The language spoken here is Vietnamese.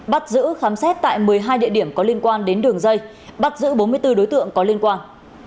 bắt giữ khám xét tại một mươi hai địa điểm có liên quan đến đường dây bắt giữ bốn mươi bốn đối tượng có liên quan